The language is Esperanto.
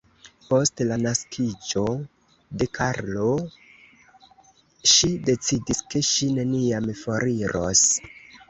Post la naskiĝo de Karlo, ŝi decidis, ke ŝi neniam foriros.